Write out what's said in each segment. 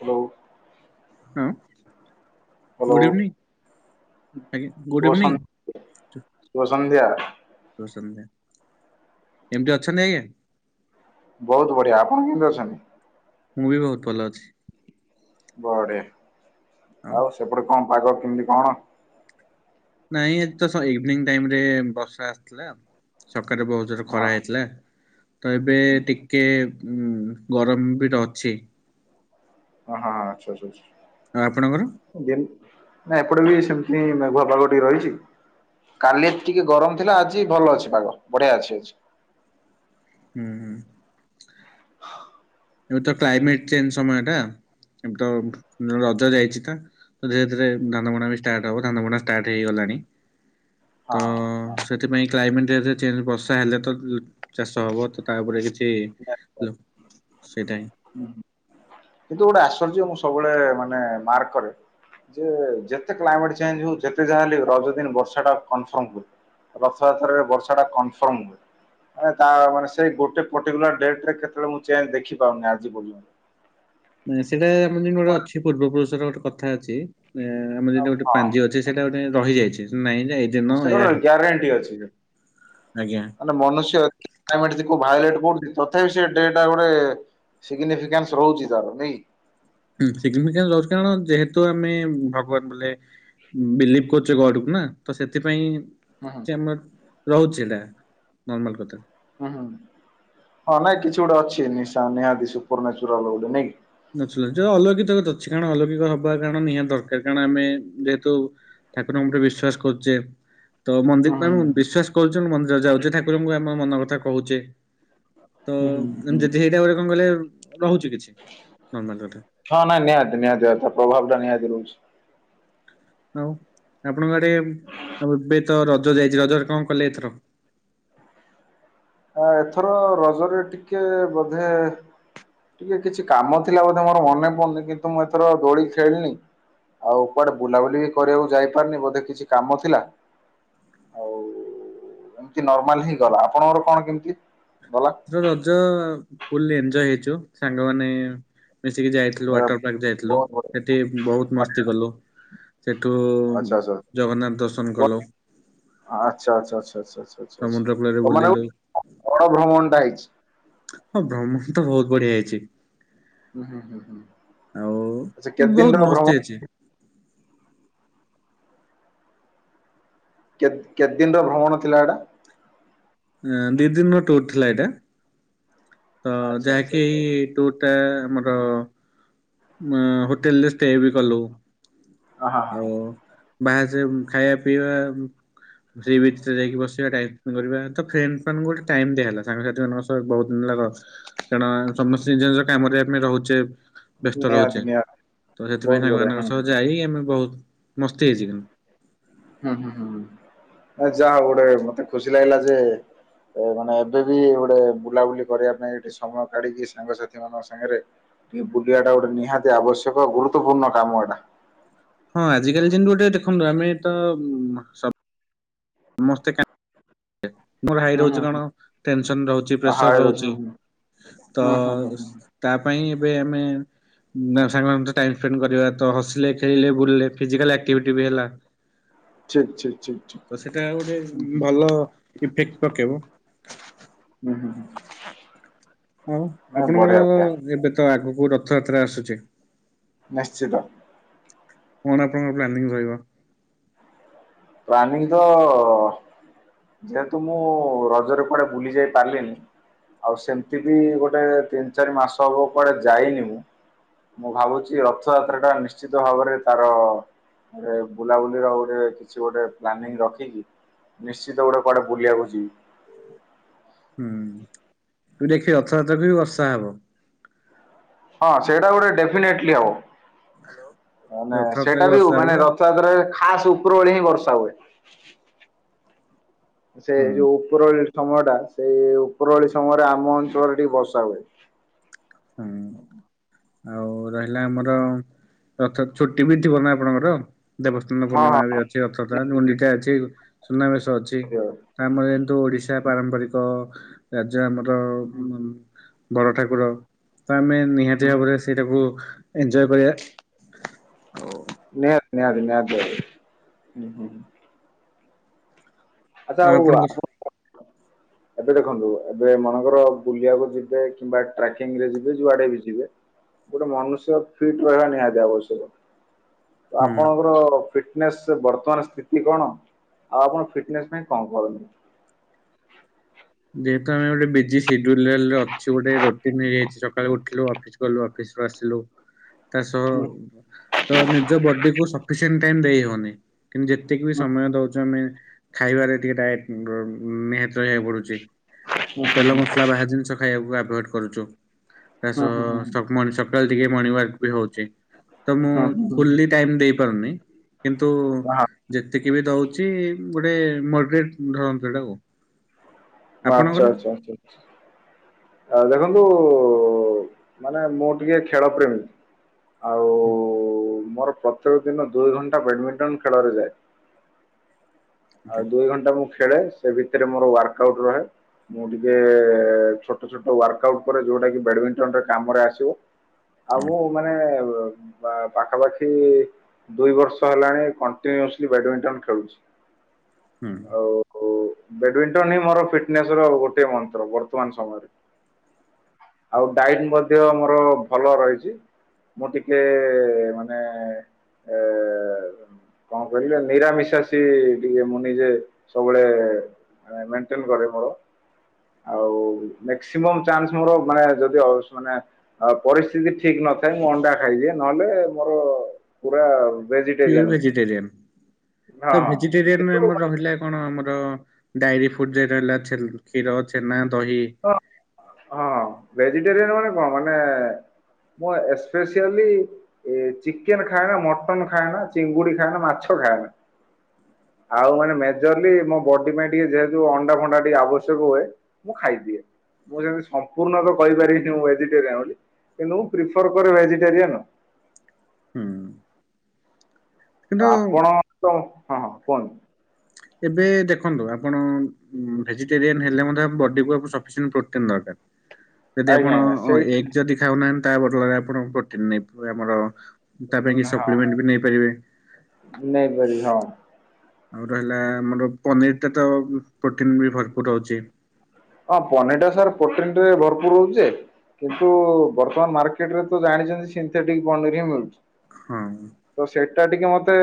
Hello. ହଁ hello good evening ଆଜ୍ଞା good evening ସୁଭସନ ସୁଭସନ୍ଧ୍ୟା। ଶୁଭ ସନ୍ଧ୍ୟା କେମିତି ଅଛନ୍ତି ଆଜ୍ଞା। ବହୁତ ବଢିଆ ଆପଣ କେମିତି ଅଛନ୍ତି? ମୁଁ ବି ବହୁତ ଭଲ ଅଛି। ବଢିଆ ଆଉ ସେପଟେ କଣ ପାଗ କେମିତି କଣ? ନାଇଁ ଏ ତ ଶ୍ ଇଭିନିଂ ଟାଇମ ରେ ବର୍ଷା ଆସିଥିଲା ସକାଳେ ବହୁ ରେ ହଁ ଖରା ହେଇଥିଲା ତ ଏବେ ହୁଁ, ଟିକେ ଉ ଗରମ ବି ତ ଅଛି। ହଁ ଅଛି ଅଛି ଆଉ ଆପଣଙ୍କର? [unintelligible] ଦେନ୍ ନା ଏପଟେ ବି ସେମିତି ମେଘୁଆ ପାଗ ଟିକେ ରହିଚି। କାଲି ଟିକେ ଗରମ ଥିଲା ଆଜି ଭଲ ଅଛି ପାଗ ବଢିଆ ଅଛି ଆଜି। ହୁଁ, ହୁଁ। [inaudible] ଏବେ ତ କ୍ଲାଇମେଟ ଚେଞ୍ଜ ସମୟ ଟା ଏବେ ତ ରଜ ଯାଇଛି ତ। ଧୀରେ ଧୀରେ ଧାନ ବୁଣା ବି ଷ୍ଟାର୍ଟ ହବ ଧାନ ବୁଣା ଷ୍ଟାର୍ଟ ହେଇଗଲାଣି। ତ ହଁ ହଁ। ସେଥିପାଇଁ କ୍ଲାଇମେନ୍ଟ ଏରିଆ ଚେଞ୍ଜ ବର୍ଷା ହେଲେ ତ ଚାଷ ହବ। ତାପରେ କିଛି ସେଇଟା ହିଁ। ହୁଁ କିନ୍ତୁ ଗୋଟେ ଆଶ୍ଚର୍ଯ୍ୟ ମୁଁ ସବୁବେଳେ ମାନେ ମାର୍କ କରେ। ଯେ ଯେତେ କ୍ଲାଇମେନ୍ଟ ଚେଞ୍ଜ ହଉ ଯେତେ ଯାହା ହେଲେ ହଉ ରଜ ଦିନ ବର୍ଷା ଟା କନଫର୍ମ ହୁଏ। ରଥଯାତ୍ରରେ ବର୍ଷା ଟା କନଫର୍ମ ହୁଏ। ମାନେ ତା ମାନେ ସେଇ ଗୋଟେ ପର୍ଟିକୁଲାର ଡେଟ୍ ରେ କେତବେଳେ ମୁଁ ଚେଞ୍ଜ ଦେଖିପାରୁନି ଆଜି ପର୍ଯ୍ୟନ୍ତ। ନାଇ ସେଇଟା ଆମର ଯେମିତି ଗୋଟେ ଅଛି ପୂର୍ବପୁରୁଷର ଗୋଟେ କଥା ଅଛି ମାନେ ଆମର ଯେମିତି ଗୋଟେ ହଁ ପାଞ୍ଜି ଅଛି। ସେଇଟା ଗୋଟେ ରହିଯାଇଛି ନାଇଁ ଯେ ଦିନ ସେଟା ଏଇଆ ଗୋଟେ କ ହବ। ଗ୍ୟାରେଣ୍ଟି ଅଛି। ଆଜ୍ଞା ଗୋଟେ ମନୁଷ୍ୟ [inaudible] ତଥାପି ସେ ଡେଟା ଗୋଟେ ସିଗ୍ନିଫିକାନ୍ସ ରହୁଛି ତାର ନାଇଁ। ହିଁ ସିଗ୍ନିଫିକେନ୍ସ ରହୁଛି କାରଣ ଯେହେତୁ ଆମେ ଭଗବାନ ବୋଲେ ବିଲିଭ୍ କରୁଛେ ଗଡକୁ ନା ତ ସେଥିପାଇଁ। ହୁଁ ହୁଁ ସେ ଆମର ରହୁଛି ଏଇଟା ନର୍ମାଲ କଥା। ହୁଁ ହୁଁ ହଁ ନାଇଁ କିଛି ଗୋଟେ ଅଛି ନିଶା ନିହାତି ସୁପର ମ୍ୟାଚ୍ ର ଗୋଟେ ନାଇଁ କି। ନାଚୁରାଲ ଯେ ଅଲୌକିତକତ ଅଛି କାରଣ ଅଲୌକିକ ହବା କାରଣ ନିହାତି ଦରକାର କାରଣ ଆମେ ଯେହେତୁ। ଠାକୁରଙ୍କ ଉପରେ ବିଶ୍ୱାସ କରୁଛେ। ତ ମନ୍ଦିର ହୁଁ ହୁଁ ପାଇଁ ବିଶ୍ଵାସ କରୁଛେ ମନ୍ଦିର ଯାଉଛେ ଠାକୁରଙ୍କୁ ଆମ ମନ କଥା କହୁଛେ। ତ ହୁଁ ହୁଁ ହୁଁ। ଯେମି ଯେଯେଇ ଏଇଟା ଗୋଟେ କଣ କହିଲେ ରହୁଛି କିଛି ନର୍ମାଲ୍ କଥା। ହଁ ନା ନିହାତି ନିହାତି ଭାବେ ପ ପ୍ରଭାବ ଟା ନିହାତି ରହୁଛି। ଆଉ ଆପଣଙ୍କ ଆଡେ ଏବେ ତ ରଜ ଯାଇଛି ରଜରେ କଣ କଲେ ଏଥର? ଆଁ ଏଥର ରଜରେ ଟିକେ ବୋଧେ ଟିକେ କିଛି କାମ ଥିଲା ବୋଧେ ମୋର ମନେ ପଡୁନି କିନ୍ତୁ ମୁଁ ଏଥର ଦୋଳି ଖେଳିନି। ଆଉ କୁଆଡେ ବୁଲାବୁଲି ବି କରିବାକୁ ଯାଇପାରିନି ବୋଧେ କିଛି କାମ ଥିଲା। ଆଉ ଏମିତି ନର୍ମାଲ ହି ଗଲା ଆପଣଙ୍କର କଣ କେମିତି ଗଲା? ରଜ ଆଉ ଫୁଲ୍ଲୀ ଏଞ୍ଜୟ୍ ହେଇଛୁ ସାଙ୍ଗମାନେ ମିଶିକି ଯାଇଥା ଥିଲୁ ୱାଟର ପାର୍କ ଯାଇଥିଲୁ ବହୁତ ବଢିଆ ସେଠି ବହୁତ ମସ୍ତି କଲୁ। ସେଠୁ ଆଚ୍ଛା ଆଚ୍ଛା ଆଚ୍ଛା ଜଗନ୍ନାଥ ଦର୍ଶନ କଲ। ଆଚ୍ଛା ଆଚଛା ଆଛା ଆଛା ଆଛ ଆଛ ଆଛା ସମୁଦ୍ର କୂଳରେ ତମାନେ ଆଉ ବୁଲିଲୁ ବଡ ଭ୍ରମଣ ଟା ହେଇଛି। ହଁ ଭ୍ରମଣ ତ ବହୁତ ବଢିଆ ହେଇଛି। ହୁଁ ହୁଁ ହୁଁ ହୁଁ ଆଉ ଆଚ୍ଛା କେତେ ବହୁତ ଦିନର ମସ୍ତ ଭ୍ରମଣ? ହେଇଛି କେତ କେତେ ଦିନର ଭ୍ରମଣ ଥିଲା ଏଇଟା? ଅଁ ଦି ଦିନ୍ ର ଟୁର୍ ଥିଲା ଏଇଟା। ତ ଆଚ୍ଛା ଆଚ୍ଛା ଯାହାକି ଆଚ୍ଛା ଏଇ ଟୁର୍ ଟା ଆମର ମ ହୋଟେଲ୍ ରେ ଷ୍ଟେ ବି କଲୁ। ହଁ ହଁ ଆଉ ବାହାରେ ଯାଇ ଖାଇବା ପିଇବା ସି ବିଚ୍ ରେ ଯାଇକି ବସିବା ଟାଇମ୍ ସ୍ପେଣ୍ଡ କରିବା ତ ଫ୍ରେଣ୍ଡସ୍ ମାନଙ୍କୁ ଗୋଟେ ଟାଇମ୍ ଦିଆ ହେଲା ସାଙ୍ଗସାଥି ମାନଙ୍କ ସହ ବହୁତ୍ ଦିନ [unintelligible] କାରଣ ସମସ୍ତେ ନିଜ-ନିଜ କାମରେ ଆମେ ରହୁଚେ। ବ୍ୟସ୍ତ ନିହାତି ରହୁଚେ, ନିହାତି ତ ବହୁତ ସେଥିପାଇଁ ବଢିଆ ହୁଁ ସାଙ୍ଗମାନଙ୍କ ସହ ଯାଇ ଆମେ ବହୁତ୍ ମସ୍ତି ହେଇଚି କିନ୍ତୁ। ହୁଁ-ହୁଁ-ହୁଁ-ହୁଁ ଆଉ ଯାହଉ ଗୋଟେ ମତେ ଖୁସି ଲାଗିଲା ଯେ [unintelligible] ମାନେ ଏବେ ବି ଗୋଟେ ବୁଲାବୁଲି କରିବା ପାଇଁ ଗୋଟେ ସମୟ କାଢିକି ସାଙ୍ଗସାଥି ଙ୍କ ସାଙ୍ଗରେ ଟିକେ ବୁଲିବାଟା ଗୋଟେ ନିହାତି ଆବଶ୍ୟକ ଗୁରୁତ୍ୱପୂର୍ଣ୍ଣ କାମ ଏଟା। ହଁ ଆଜି କାଲି ଯେମ୍ତି ଗୋଟେ ଦେଖନ୍ତୁ ଆମେ ତ ଉଁ ସ [inaudible] ମୋ ଭାଇ ହୁଁ ର ହୁଁ ହଉଚି କଣ ହୁଁ। ଟେନସନ୍ ରହୁଚି ପ୍ରେସର ରହୁଚି। ହୁଁ-ହୁଁ-ହୁଁ-ହୁଁ। ତା ପାଇଁ ଏବେ ଆମେ ସାଙ୍ଗମାନେ ଟାଇମ୍ ସ୍ପେଣ୍ଡ କରିବା ତ ହସିଲେ ଖେଳିଲେ ବୁଲିଲେ ଫିଜିକାଲ୍ ଆକ୍ଟିଭିଟି ବି ହେଲା। ଠିକ୍ ଠିକ୍ ଠିକ୍ ଠିକ୍। ତ ସେଟା ଆଉ ଗୋଟେ ହୁଁ ହୁଁ ଭଲ ଇଫେକ୍ଟ ପକେଇବ। [inaudible] ଆଉ ନାଇଁ ଆପଣଙ୍କର ବଢିଆ ବଢିଆ ଏବେ ତ ଆଗୁକୁ ରଥଯାତ୍ରା ଆସୁଚି। ନିଶ୍ଚିତ। କଣ ଆପଣଙ୍କର ପ୍ଲାନିଂ ରହିବ? ପ୍ଲାନିଂ ତ ଯେହେତୁ ମୁଁ ରଜରେ କୁଆଡେ ବୁଲି ଯାଇ ପାରିଲିନି ଆଉ ସେମ୍ତି ବି ଗୋଟେ ତିନି ଚାରି ମାସ ହବ କୁଆଡେ ଯାଇନି ମୁଁ ମୁଁ ଭାବୁଚି ରଥଯାତ୍ରା ଟା ନିଶ୍ଚିତ ଭାବରେ ତାର ଗୋଟେ ବୁଲାବୁଲି ର ଗୋଟେ କିଛି ଗୋଟେ ପ୍ଲାନିଂ ରଖିକି ନିଶ୍ଚିତ ଗୋଟେ କୁଆଡେ ବୁଲିଆକୁ ଯିବି। ତୁ ଦେଖେ ରଥଯାତ୍ରକୁ ବି ବର୍ଷା ହବ। ହଁ ସେଇଟା ଗୋଟେ ଡେଫିନେଟ୍ଲି ହବ। ମାନେ ରଥଯାତ୍ରାକୁ ସେଇଟା ବି ବର୍ଷା ହବ ରଥଯାତ୍ରାରେ ଖାସ୍ ଉପର ଓଳି ହିଁ ବର୍ଷା ହୁଏ। ସେ ହୁଁ ଯୋଉ ଉପର ଓଳି ସମୟଟା ସେଇ ଉପର ଓଳି ସମୟରେ ଆମ ଅଞ୍ଚଳରେ ଟିକେ ବର୍ଷା ହୁଏ। ହୁଁ ଆଉ ରହିଲା ଆମର ରଥ ଛୁଟି ବି ଥିବ ନା ଆପଣଙ୍କର? ଦେବସ୍ଥାନ ହଁ ପୂର୍ଣିମା ହଁ ବି ଅଛି, ରଥଯାତ୍ରା ନିହାତି ଗୁଣ୍ଡିଟା ଅଛି ସୁନାବେଶ ଅଛି ଆମର କିନ୍ତୁ ଓଡିଶା ପାରମ୍ପରିକ ରାଜ୍ୟ ଆମର ବଡ଼ ଠାକୁର ତ ଆମେ ନିହାତି ଭାବରେ ସେଇଟାକୁ ଏଞ୍ଜୟ କରିବା। ନିହାତି-ନିହାତି-ନିହାତି [inaudible] ଆଚ୍ଛା ଆଉ ଆପଣଙ୍କ [inaudible] [inaudible] ଏବେ ଦେଖନ୍ତୁ ଏବେ ମନେକର ବୁଲିଆକୁ ଯିବେ କିମ୍ବା ଟ୍ରାକିଂ ରେ ଯିବେ ଯୁଆଡେ ବି ଯିବେ ଗୋଟେ ମନୁଷ୍ୟ ଫିଟ୍ ରହିବା ନିହାତି ଆବଶ୍ୟକ। ତ ହୁଁ। ଆପଣଙ୍କର ଫିଟନେସ୍ ବର୍ତ୍ତମାନ୍ ସ୍ଥିତି କଣ, ଆଉ ଆପଣ ଫିଟ୍ ଫିଟନେସ୍ ପାଇଁ କଣ କରନ୍ତି? ଯେହେତୁ ଆମେ ଗୋଟେ ବିଜି ସିଡୁଲ୍ରେ ଅଛୁ ଗୋଟେ ରୋଟିନ୍ ହେଇଯାଇଛି, ସ କାଳୁ ଉଠିଲୁ ଅଫିସ୍ ଗଲୁ ଅଫିସ୍ ରୁ ଆସିଲୁ ତା ସହ ହୁଁ ତ ନିଜ ବଡି କୁ ସଫିସିଏଣ୍ଟ ଟାଇମ ଦେଇ ହଉନି କିନ୍ତୁ ଯେତିକି ବି ହୁଁ ସମୟ ଦଉଛୁ ଆମେ ଖାଇବାରେ ଟିକେ [unintelligible] ନିହାତି ରହିବାକୁ ପଡୁଛି, ହୁଁ ତେଲ ହୁଁ ମସଲା ବାହାର ଜିନିଷ ଖାଇବାକୁ ଆଭଏଡ କରୁଛୁ। ତା ହୁଁ ହୁଁ ହୁଁ। ସହ ଶଗମଣି ସକାଳ ଟିକେ ମର୍ଣ୍ଣିଂ ୱାକ ବି ହଉଛି। ତ ମୁଁ ହୁଁ ଫୁଲି ହୁଁ ଟାଇମ ଦେଇ ପାରୁନି, କିନ୍ତୁ। ହଁ ଯେତିକି ବି ଦଉଛି ଗୋଟେ ମଡରେଟ ଧରନ୍ତୁ ଏଇଟାକୁ। ଆଚ୍ଛା ଆପଣଙ୍କର? ଆଚ୍ଛ ଆଛା। ଆ ଦେଖନ୍ତୁ ମାନେ ମୁଁ ଟିକେ ଖେଳ ପ୍ରେମୀ, ଆ ହୁଁ। ମୋର ପ୍ରତ୍ୟେକ ଦିନ ଦୁଇ ଘଣ୍ଟା ବ୍ୟାଡମିଣ୍ଟନ୍ ଖେଳରେ ଯାଏ। ଆଉ ଦୁଇ ଘଣ୍ଟା ମୁ ଖେଳେ, ସେ ଭିତରେ ମୋର ୱାର୍କ ଆଉଟ ରହେ, ମୁଁ ଟିକେ ଛୋ ଛୋଟ ଛୋଟ ୱାର୍କ ଆଉଟ୍ କରେ ଯୋଉଟା କି ବ୍ୟାଡମିଣ୍ଟନ୍ ରେ କାମରେ ଆସିବ, ଆଉ ମୁଁ ମାନେ ବା ପାଖାପାଖି ଦୁଇ ବର୍ଷ ହେଲାଣି କଣ୍ଟିନ୍ୟୁୟସଲି ବ୍ୟାଡମିଣ୍ଟନ ଖେଳୁଛି। ହୁଁ। ଓ ବ୍ୟାଡମିଣ୍ଟନ୍ ହିଁ ମୋର ଫିଟ୍ନସ ର ଗୋଟିଏ ମନ୍ତ୍ର ବର୍ତ୍ତମାନ ସମୟରେ। ଆଉ ଡାଇଟ୍ ମଧ୍ୟ ମୋର ଭଲ ରହିଛି। ମୁଁ ଟିକେ ମାନେ, ଏ କଣ କରିବା ନିରାମିଷା ସିଏ ଟିକେ ମୁଁ ନିଜେ ସବୁବେଳେ ମେଣ୍ଟେନ କରେ ମୋର, ଆଉ ମକ୍ସିମମ୍ ଚାନ୍ସ ମୋର ମାନେ ଯଦି ଓଷ୍ ମାନେ ଆଉ ପରିସ୍ଥିତି ଠିକ ନଥାଏ, ମୁଁ ଅଣ୍ଡା ଖାଇଦିଏ, ନହେଲେ ମୋର ପୁରା ପିଓର ଭେଜିଟେରିଆନ୍ ଭେଜିଟେରିଆନ, ହଁ ତ ହଁ କିନ୍ତୁ ଭେଜିଟେରିଆନ ହଁ ଆମର ରହିଲା କଣ ଆମର ଡାଇରି ଫୁଡରେ ରହିଲା ଛେନା, କ୍ଷୀର, ଛେନା, ଦହି। ହ ହଁ ଭେଜିଟେରିଆନ ମାନେ କଣ ମାନେ ମୁଁ ଏସ୍ପେସିଆଲି ଏ ଚିକେନ ଖାନା, ମଟନ ଖାନା, ଚିଙ୍ଗୁଡି ଖାନା, ମାଛ ଖାନା। ଆଉ ମାନେ ମେଜରଲି ମୋ ବଡି ପାଇଁ ଟିକେ ଯେହେତୁ ଅଣ୍ଡା ଫଣ୍ଡା ଟିକେ ଆବଶ୍ୟକ ହୁଏ। ମୁଁ ଖାଇବି ମୁଁ ସେମିତି ସମ୍ପୂର୍ଣ୍ଣ ତ କହିପାରିବିନି ମୁଁ ଭେଜିଟେରିଆନ୍ ବୋଲି କିନ୍ତୁ ମୁଁ ପ୍ରିଫର କରେ ଭେଜିଟେରିଆନ। ହୁଁ। ଆଉ କିନ୍ତୁ ଆପଣ ତ, ହଁ ହଁ କୁହନ୍ତୁ? ଏବେ ଦେଖନ୍ତୁ ଆପଣ ଭେଜିଟେରିଆନ ହେଲେ ମଧ୍ୟ ଆମ ବଡିକୁ ସଫିସିନ୍ତ ପ୍ରୋଟିନ୍ ଦରକାର। ଯଦି ଆଜ୍ଞା ଆପଣ ଆଜ୍ଞା ସେଇଟା ଏଗ ଯଦି ଖାଉନାହାନ୍ତି ତା ବଦଳରେ ଆପଣ ପ୍ରୋଟିନ ନେଇିବେ ଆମର ତା ପାଇଁ କି ଉଁ, ସପ୍ଲିମେଣ୍ଟ ବି ନେଇପାରିବେ। ନେଇପାରବି ହଁ। ଆଉ ରହିଲା ଆମର ପନିରଟାତ ପ୍ରୋଟିନ୍ ବି ଭରପୁର ରହୁଛି। ହଁ ପନିର ଟା ସାର୍ ପ୍ରୋଟିଁରେ ଭରପୁର ରହୁଛି। କିନ୍ତୁ ବର୍ତ୍ତମାନ ମାର୍କେଟରେ ତ ଜାଣିଛନ୍ତି ସନ୍ଥେିକ ପନିର ହିଁ ମିଳୁଛି। ହଁ। ତ ସେଇଟା ଟିକେ ମତେ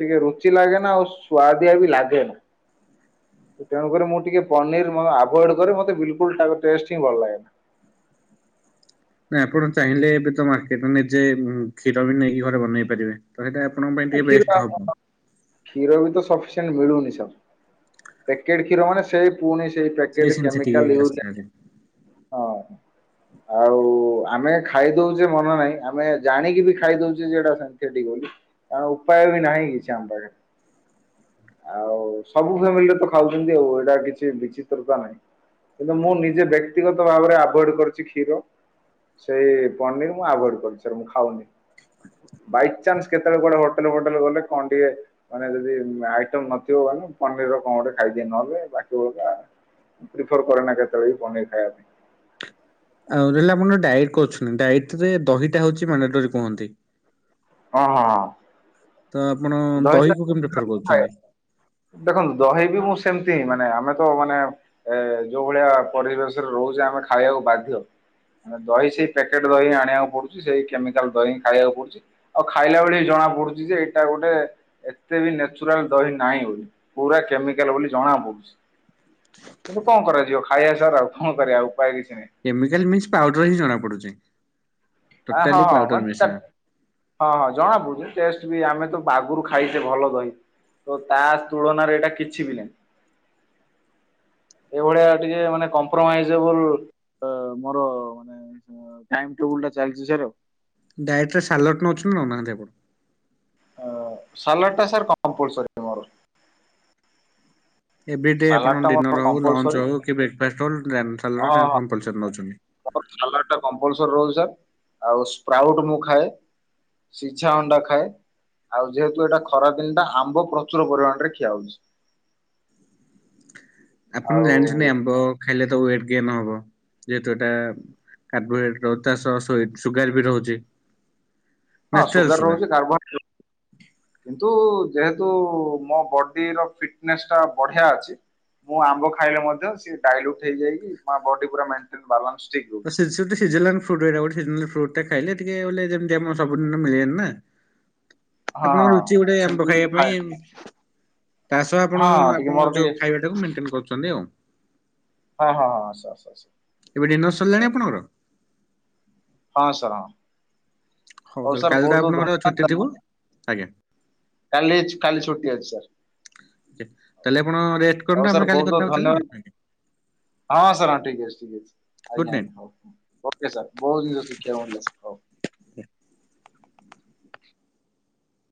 ଟିକେ ରୁଚି ଲାଗେନା ଆଉ ସୁଆଦିଆ ବି ଲାଗେ ନା। ତେଣୁକରି ମୁଁ ଟିକେ ପନିର ମୁଁ ଆଭଏଡ କରେ ମତେ ବିଲକୁଲ ଟାକୁ ଟେଷ୍ଟ ହିଁ ଭଲ ଲାଗେ ନା। ନାଁ ଆପଣ ଚାହିଁଲେ ଏବେ ତ ମାର୍କେଟ ନିଜେ କ୍ଷୀର ବି ନେଇକି ଘରେ ବନେଇ ପାରିବେ। ତ ସେଇଟା ଆପଣ ପାଇଁ ଆ ଟିକେ ବେଷ୍ଟ ଖିର ହବ। [unintelligible] କ୍ଷୀର ବି ତ ସଫିସିଏଣ୍ଟ ମିଳୁନି ସବ ପ୍ୟାକେଟ୍ କ୍ଷୀର ମାନେ ସେଇ ପୁନି ସେ ପେକଟ ସେମିତି ଟିକେ କେମିକଲ ୟୁଜ ଆସିନାହାନ୍ତି। ହଁ। ଆଉ ଆମେ ଖାଇ ଦଉଛେ ମନା ନାହିଁ ଆମେ ଜାଣିକି ବି ଖାଇ ଦଉଛେ ଯେଟା ସିନ୍ଥେଟିକ୍ ବୋଲି। ଆଉ ଉପାୟ ବି ନାହି କିଛି ଆମ ପାଖରେ। ଆଉ ସବୁ ଫାମିଲି ରେ ତ ଖାଉଛନ୍ତି ଆଉ ଏଇଟା କିଛି ବିଚିତ୍ରତା ନାହିଁ। କିନ୍ତୁ ମୁଁ ନିଜେ ବ୍ୟକ୍ତିଗତ ଭାବରେ ଆଭୋଡ କରିଛି କ୍ଷୀର। ସେଇ ପନିର ମୁଁ ଆଭଏଡ କରୁଛି ମୁ ଖାଉନି ବାଇଚନ୍ସ କେତେ କେତେକ କୁଆଡେ ହୋଟେଲ ଫୋଟେଲ ଗଲେ କଣ ଟିକେ ମାନେ ଯଦି ଆଇଟମ୍ ନଥିବ ଭଲ ପନିର ର କଣ ଗୋଟେ ଖାଇଦିଏ ନହେଲେ ବାକି ଭଳି ପ୍ରିଫର୍ କରେ ନା କେତେବେଳେ ପନିର ଖାଇବା ପାଇଁ। ଆଉ ରହିଲଲେ ଆପଣ ଡାଇଟ୍ କରୁଛନ୍ତି ଡାଇଟ୍ ରେ ଦହି ଟା ହଉଛି ମଣ୍ଡେଟୋରି କୁହନ୍ତି। ହଁ ହଁ ହଁ। ତ ଆପଣ ଦହିକୁ କେମିତି ଦହି ପ୍ରିଫର୍ ଖାଏ କରୁଛନ୍ତି? ଦେଖନ୍ତୁ ଦହି ବି ମୁଁ ସେମିତି ହିଁ ମାନେ ଆମେ ତ ମାନେ ଏ ଯୋଉ ଭଳିଆ ପରିବେଶରେ ରହୁଛେ ଆମେ ଖାଇବାକୁ ବାଧ୍ୟ। ଦହି ସେଇ ପ୍ୟାକେଟ୍ ଦହି ଆଣିବାକୁ ପଡୁଛି ସେଇ କେମିକାଲ୍ ଦହି ହିଁ ଖାଇବାକୁ ପଡୁଛି। ଆଉ ଖାଇଲା ବେଳେ ବି ଜଣା ପଡୁଛି ଯେ ଏଇଟା ଗୋଟେ ଏତେ ବି ନଚୁରାଲ ଦହି ନାହିଁ ବୋଲି ପୁରା କେମିକାଲ ବୋଲି ଜଣା ପଡୁଛି। କିନ୍ତୁ କଣ କରାଯିବ ଖାଇବା ସାର୍ ଆଉ କଣ କରିବା ଉପାୟ କିଛି ନାହିଁ। କେମିକାଲ ମିନ୍ସ ପାଉଡର ହିଁ ଜଣା ପଡୁଛି। ଆ ଟୋଟାଲି ହଁ ହଁ ପାଉଡର ମାନେ ମିଶା। ତ ହଁ ହଁ ଜଣାପଡୁଛି ଟେଷ୍ଟ ବି ଆମେ ତ ଆଗରୁ ଖାଇଛେ ଭଲ ଦହି। ଆଉ ତା ତୁଳନାରେ ଏଇଟା କିଛି ବି ନାହିଁ। ଏଇ ଭଳିଆ ଟିକେ ମାନେ କମ୍ପ୍ରୋମାଇଜେବଲ୍ ଆ ମୋର ମାନେ ଟାଇମ୍ ଟେବୁଲ ଟା ଚାଲିଛି ସାର୍ ଆଉ। ଡାଏଟ୍ ରେ ସାଲାଡ୍ ନାଉଛନ୍ତି ନା ନାହିଁ ଆପଣ? ସଲାଡ୍ ଟା ସାର୍ କମ୍ପଲସାରୀ। ଏଭ୍ରିଡେ ସାଲାଡ ଆପଣ ଟା ମୋର ଡିନର ହଉ କମ୍ପଲସରୀ ଲଞ୍ଚ ହଉ କି ବ୍ରେକଫାଷ୍ଟ ହଉ ହଁ ସାଲାଡ୍ ଟା ହଁ କମ୍ପଲସାରୀ ନଉଛନ୍ତି? ମୋର ସାଲାଡ୍ ତ କମ୍ପଲସାରୀ ରହୁଛି ସାର୍ ଆଉ ସ୍ପ୍ରାଉଟ୍ସ ମୁଁ ଖାଏ। ସିଝା ଅଣ୍ଡା ଖାଏ। ଆଉ ଯେହେତୁ ଏଇଟା ଖରା ଦିନ ଟା ଆମ୍ବ ପ୍ରଚୁର ପରିମାଣରେ ଖିଆ ହଉଛି। ଆପଣ ଜାଣିଛନ୍ତି ଆଉ ଆମ୍ବ ଖାଇଲେ ତ ୱେଟ ଗେନ୍ ହବ ଯେହେତୁ ଏଟା କାର୍ବୋହାଇଡ୍ରେଟ୍ ର ଚାଷ ସୁଗାର ବି ରହୁଛି। ହଁ ସୁଗାର ରହୁଛି କାର୍ବୋହାଇଡ୍ରେଟ୍ ର କିନ୍ତୁ ଯେହେତୁ ମୋ ବଡିର ଫିଟନେସ୍ ଟା ବଢିଆ ଅଛି। ମୁଁ ଆମ୍ବ ଖାଇଲେ ମଧ୍ୟ ସେ ଡାଇଲ୍ୟୁଟ୍ ହେଇଯାଇକି ମୋ ବଡି ପୁରା ମେନ୍ ବାରଲ ଷ୍ଟିକ। [inaudible] ସେ ସେ ଗୋଟେ ସିଜନାଲ ଫ୍ରୁଟ୍ ଗୋଟେ ସିଜନାଲ ଫ୍ରୁଟ୍ ଖାଇଲେ ଟିକେ ବେଳେ ସବୁଦିନ ତ ମିଳିବନି ନା। ଆପଣ ଙ୍କ ହଁ ରୁଚି ଗୋଟେ ଆମ୍ବ ସେମିତି ଖାଇବା ଖାଏ ପାଇଁ। ତା ସହ ଆପଣ ହଁ ଟିକେ ଆପଣ ମୋର ଯୋଉ ଟିକେ ଖାଇବା ଟାକୁ ମେଣ୍ଟେନ କରୁଛନ୍ତି ଆଉ। ହଁ ହଁ ହଁ ସାର୍ ସାର୍ ସାର୍। ଏବେ ଡିନର୍ ହଉ ସରିଲାଣି ଆପଣଙ୍କର? ହଁ ସାର୍ ହଁ। ହଉ ତାହେଲେ ସାର୍ କାଲି ତ ବହୁତ ବହୁତ ଆପଣଙ୍କର ଛୁଟି ଧନ୍ୟବାଦ ଥିବ ଆଜ୍ଞା। କାଲି କାଲି ଛୁଟି ଅଛି ସାର୍। [unintelligible] ତାହେଲେ ଆପଣ ରେଷ୍ଟ୍ ହଉ କରନ୍ତୁ ସାର୍ ଆମେ କାଲି ବହୁତ କଥା ବହୁତ ହବା ତାହେଲେ ଧନ୍ୟବାଦ ଆଉ। ହଁ ସାର୍ ହଁ ଠିକ୍ ଅଛି ଠିକ୍ ଅଛି ଗୁଡ୍ ଆଜ୍ଞା ନାଇଟ୍। ଆଜ୍ଞା ହଉ। ଓକେ ସାର୍ ବହୁତ ଜିନିଷ ଶିଖିଆକୁ ମିଳିଲା ସାର୍ ହଉ।